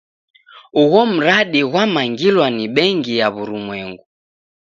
Ugho mradi ghwamangilwa ni bengi ya w'urumwengu.